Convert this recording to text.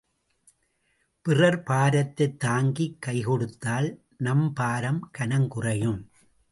பிறர் பாரத்தைத் தாங்கிக் கைகொடுத்தால் நம் பாரம் கனம் குறையும்.